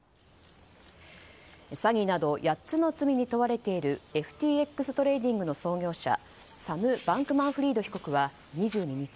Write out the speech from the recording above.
詐欺など８つの罪に問われているＦＴＸトレーディングの創業者サム・バンクマンフリード被告は２２日